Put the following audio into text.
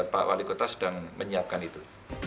pak wali kota sedang menyiapkan itu